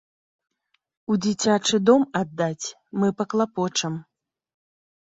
У дзіцячы дом аддаць, мы паклапочам.